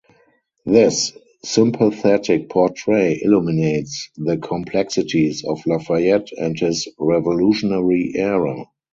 This sympathetic portrait illuminates the complexities of Lafayette and his revolutionary era.